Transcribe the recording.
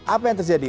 apa yang terjadi